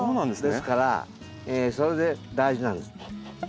ですからそれで大事なんです。